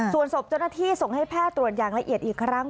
ส่วนศพเจ้าหน้าที่ส่งให้แพทย์ตรวจอย่างละเอียดอีกครั้ง